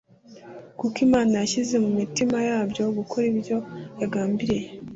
Kuko Imana yashyize mu mitima yabyo gukora ibyo yagambiriye,